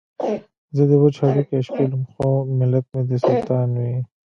زه دې وچ هډوکي شپېلم خو ملت مې دې سلطان وي.